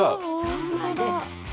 そうなんです。